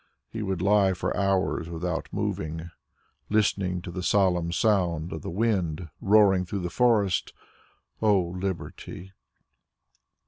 He would lie for hours without moving, listening to the solemn sound of the wind roaring through the forest. O Liberty!